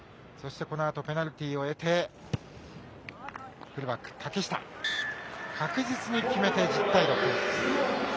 このあとペナルティーを得てフルバックの竹下が確実に決めて１０対６。